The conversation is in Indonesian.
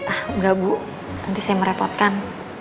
ah enggak bu nanti saya merepotkan